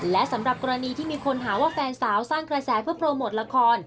และสำหรับกรณีที่มีคนหาว่าแฟนสาวสร้างกระแสเพื่อโปรโมทละคร